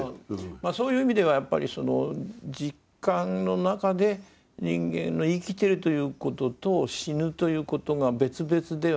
そういう意味ではやっぱりその実感の中で人間の生きてるということと死ぬということが別々ではない。